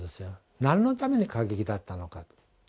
何のために過激だったのか。